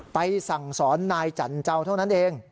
สั่งสอนนายจันเจ้าเท่านั้นเอง